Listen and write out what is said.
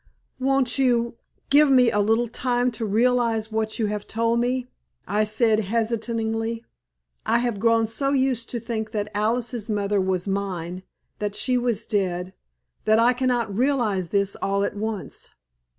"Won't you give me a little time to realize what you have told me?" I said, hesitatingly. "I have grown so used to think that Alice's mother was mine that she was dead that I cannot realize this all at once.